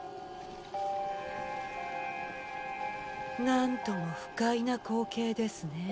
なんとも不快な光景ですねえ。